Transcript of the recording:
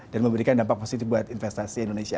dan memberikan dampak positif buat investasi indonesia